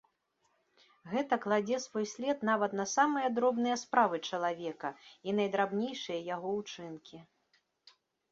Гэта кладзе свой след нават на самыя дробныя справы чалавека і найдрабнейшыя яго ўчынкі.